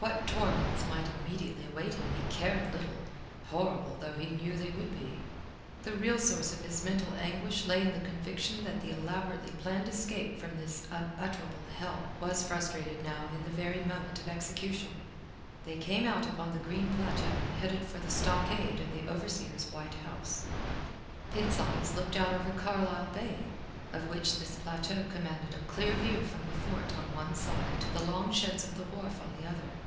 What torments might immediately await him he cared little, horrible though he knew they would be. The real source of his mental anguish lay in the conviction that the elaborately planned escape from this unutterable hell was frustrated now in the very moment of execution. They came out upon the green plateau and headed for the stockade and the overseer's white house. Pitt's eyes looked out over Carlisle Bay, of which this plateau commanded a clear view from the fort on one side to the long sheds of the wharf on the other.